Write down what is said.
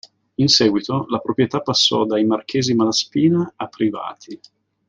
In seguito, la proprietà passò dai Marchesi Malaspina a privati.